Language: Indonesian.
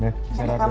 ya istirahat dulu